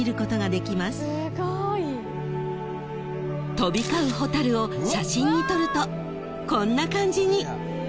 ［飛び交う蛍を写真に撮るとこんな感じに］